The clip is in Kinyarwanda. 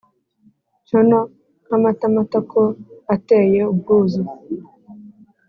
Cyono nkamata matako ateye ubwuzu!